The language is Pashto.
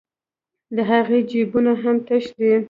د هغې جېبونه هم تش دي